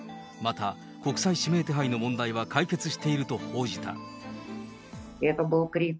また国際指名手配の問題は解決していると報じた。